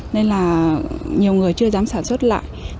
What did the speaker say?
nên là nhiều người chưa dám sản xuất lại